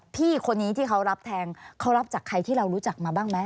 พี่คนนี้ที่เขารับแทงเขารับจากใครที่เรารู้จักมาบ้างไหม